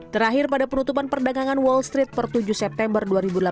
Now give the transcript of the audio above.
terakhir pada penutupan perdagangan wall street per tujuh september dua ribu delapan belas